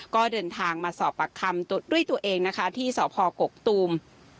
ก็เดินทางมาสอบปากคำด้วยตัวเองนะคะที่สพกกตูม